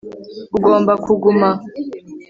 ugomba kuguma